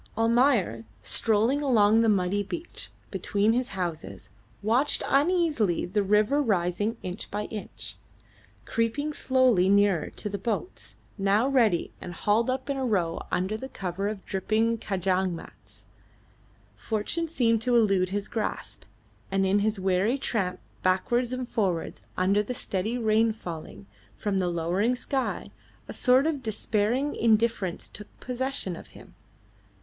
Almayer, strolling along the muddy beach between his houses, watched uneasily the river rising inch by inch, creeping slowly nearer to the boats, now ready and hauled up in a row under the cover of dripping Kajang mats. Fortune seemed to elude his grasp, and in his weary tramp backwards and forwards under the steady rain falling from the lowering sky, a sort of despairing indifference took possession of him.